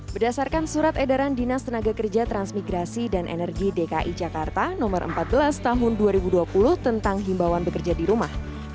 berdasarkan surat edaran dinas tenaga kerja transmigrasi dan energi dki jakarta no empat belas tahun dua ribu dua puluh tentang himbawan bekerja di rumah